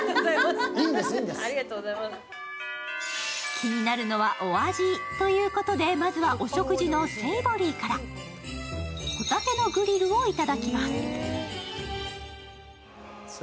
気になるのはお味ということで、まずはお食事のセイボリーから、ホタテのグリルをいただきます。